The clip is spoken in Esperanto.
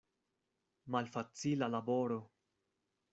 Malfacila laboro!